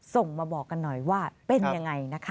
ส่งมาบอกกันหน่อยว่าเป็นยังไงนะคะ